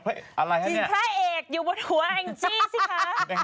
ทำที่ฆาตผมเลย